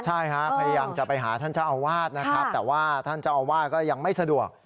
ใช่ครับพยายามจะไปหาท่านเจ้าอาวาสนะครับแต่ว่าท่านเจ้าอาวาสก็ยังไม่สะดวก